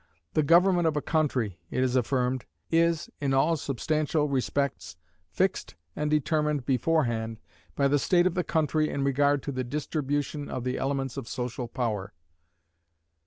The government of a country, it is affirmed, is, in all substantial respects, fixed and determined beforehand by the state of the country in regard to the distribution of the elements of social power.